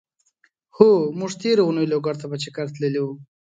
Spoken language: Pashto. هو! مونږ تېره اونۍ لوګر ته په چګر تللی وو.